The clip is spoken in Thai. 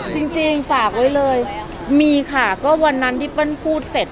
จริงฝากไว้เลยมีค่ะก็วันนั้นที่เปิ้ลพูดเสร็จ